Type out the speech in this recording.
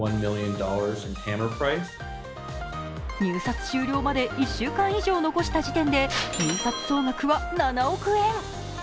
入札終了まで１週間以上残した時点で、入札総額は７億円。